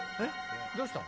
どうしたん？